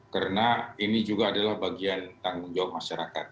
karena ini juga adalah bagian tanggung jawab masyarakat